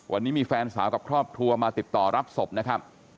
วันนี้มีแฟนสาวกับครอบครัวมาติดต่อรับศพนะครับ